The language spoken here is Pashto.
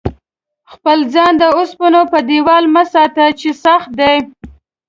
خپل ځان د اوسپنې په دېوال مه ساته چې سخت دی.